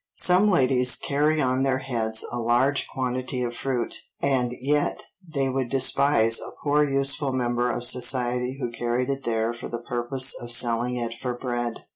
"Some ladies carry on their heads a large quantity of fruit, and yet they would despise a poor useful member of society who carried it there for the purpose of selling it for bread."